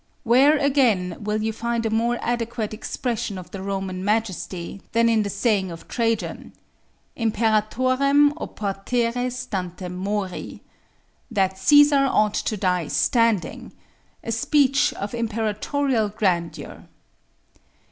Where, again, will you find a more adequate expression of the Roman majesty, than in the saying of Trajan Imperatorem oportere stantem mori that Cæsar ought to die standing; a speech of imperatorial grandeur!